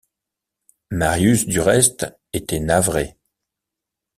Marius du reste était navré.